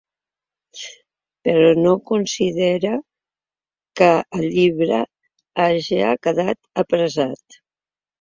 Però no considere que el llibre haja quedat apressat.